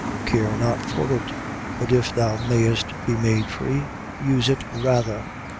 Care not for it: but if thou mayest be made free, use it rather.